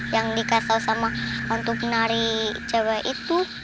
yang dikasau sama hantu penari cewek itu